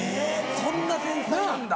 ・そんな繊細なんだ